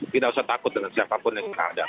tidak usah takut dengan siapapun yang kita ada